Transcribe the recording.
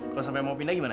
kau sampai mau pindah gimana